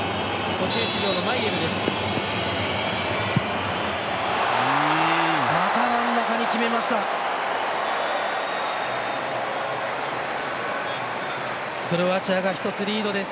途中出場のマイエルです。